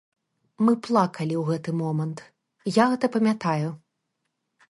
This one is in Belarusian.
Мы плакалі ў гэты момант, я гэта памятаю.